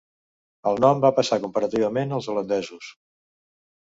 El nom va passar comparativament als holandesos.